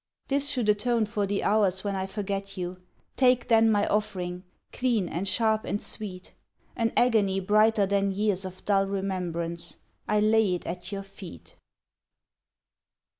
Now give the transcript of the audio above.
This should atone for the hours when I forget you. Take then my offering, clean and sharp and sweet, An agony brighter than years of dull remembrance. I lay it at your feet.